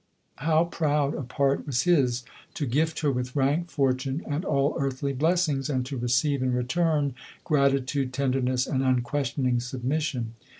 How proud a part was his, to gift her with rank, fortune, and all earthly blessing?, 108 LODOftE. and to receive in return, gratitude, tenderness, and unquestioning submission